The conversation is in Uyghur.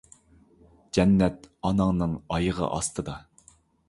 جەننەت ئاناڭنىڭ ئايىغى ئاستىدا.